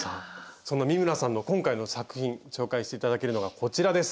そんなミムラさんの今回の作品紹介して頂けるのがこちらです。